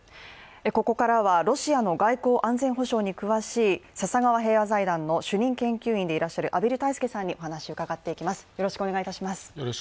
ここからはロシアの外交・安全保障に詳しい笹川平和財団の主任研究員でいらっしゃる畔蒜泰助さんにお話、伺っていきます。